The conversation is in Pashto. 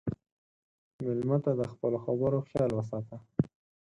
مېلمه ته د خپلو خبرو خیال وساته.